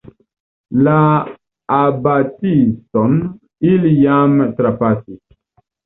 La abatison ili jam trapasis.